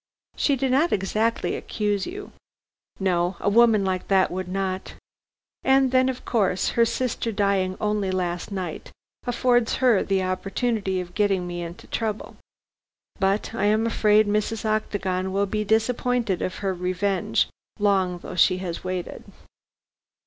"She did not exactly accuse you." "No, a woman like that would not. And then of course, her sister dying only last night affords her the opportunity of getting me into trouble. But I am afraid Mrs. Octagon will be disappointed of her revenge, long though she has waited."